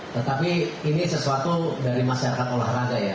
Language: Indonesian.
tetapi ini sesuatu dari masyarakat olahraga ya